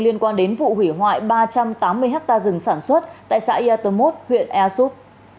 liên quan đến vụ hủy hoại ba trăm tám mươi ha rừng sản xuất tại xã yatomot huyện easup